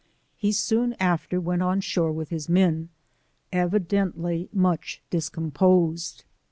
He sooa after went on shore with his men, evideatly much discomposed.